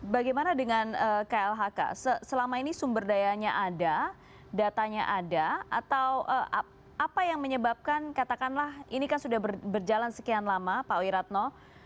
bagaimana dengan klhk selama ini sumber dayanya ada datanya ada atau apa yang menyebabkan katakanlah ini kan sudah berjalan sekian lama pak wiratno